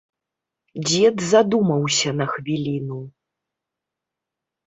Дзед задумаўся на хвіліну.